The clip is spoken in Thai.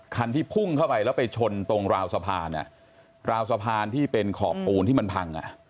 คันที่พุ่งเข้าไปแล้วไปชนตรงราวสะพานราวสะพานที่เป็นขอบปูนที่มันพัง